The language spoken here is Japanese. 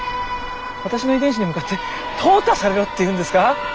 私の遺伝子に向かって淘汰されろっていうんですか？